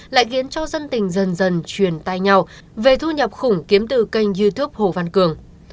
lại khiến cho dân tình dần dần truyền tay nhau về thu nhập khủng kiếm từ kênh youtube hồ văn cường